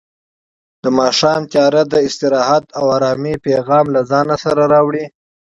د ماښام تیاره د استراحت او ارامۍ پیغام له ځان سره راوړي.